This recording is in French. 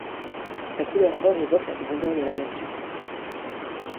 Sa couleur or évoque la grandeur de la nation.